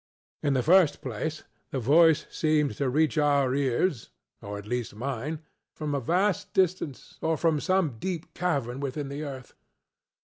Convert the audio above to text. In the first place, the voice seemed to reach our earsŌĆöat least mineŌĆöfrom a vast distance, or from some deep cavern within the earth.